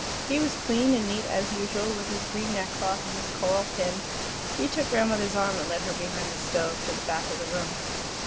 He was clean and neat as usual, with his green neckcloth and his coral pin. He took grandmother's arm and led her behind the stove, to the back of the room.